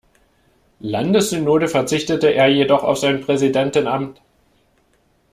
Landessynode verzichtete er jedoch auf sein Präsidentenamt.